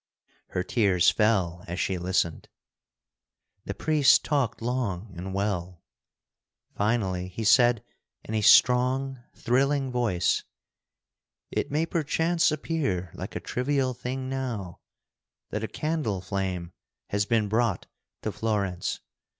Her tears fell as she listened. The priest talked long and well. Finally he said in a strong, thrilling voice: "It may perchance appear like a trivial thing now, that a candle flame has been brought to Florence.